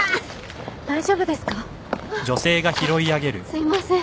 すいません。